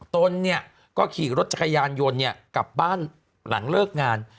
ตนเนี่ยก็ขี่รถจักรยานยนต์กลับบ้านหลังเลิกงาน